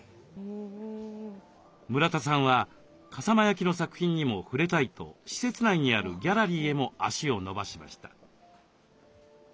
村田さんは笠間焼の作品にも触れたいと施設内にあるギャラリーへも足を延ばしました。